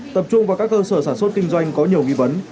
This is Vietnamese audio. tập trung vào các cơ sở sản xuất kinh doanh có nhiều nghi vấn